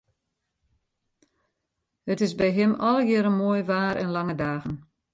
It is by him allegearre moai waar en lange dagen.